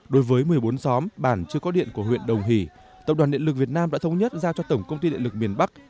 đối với một mươi bốn xóm bản chưa có điện của huyện đồng hỷ tập đoàn điện lực việt nam đã thống nhất giao cho tổng công ty điện lực miền bắc